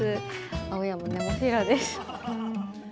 青山ネモフィラです。